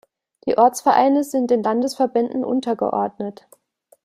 Die Ortsvereine sind den Landesverbänden untergeordnet.